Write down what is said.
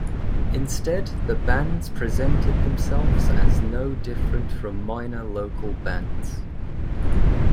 Instead the bands presented themselves as no different from minor local bands.